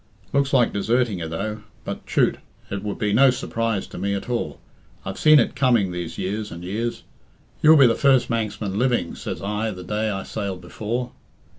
Looks like deserting you, though. But, chut! it would be no surprise to me at all. I've seen it coming these years and years. 'You'll be the first Manxman living,' says I the day I sailed before.